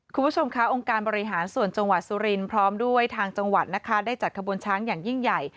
คุณผู้ชมค่ะองค์การบริหารส่วนจังหวัดสุรินทร์พร้อมด้วยทางจังหวัดนะคะได้จัดขบวนช้างอย่างยิ่งใหญ่